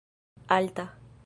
alta